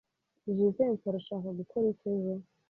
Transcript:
Jivency arashaka gukora iki ejo?